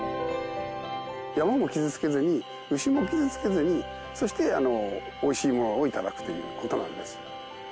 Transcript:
山も傷つけずに牛も傷つけずにそしておいしいものを頂くという事なんです。